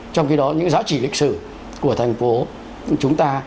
trong khi đó những giá trị lịch sử của thành phố chúng ta